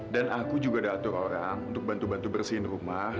dan aku juga ada atur orang untuk bantu bantu bersihin rumah